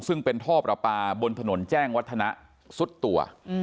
ซึ่งเป็นท่อประปาบนถนนแจ้งวัฒนะสุดตัว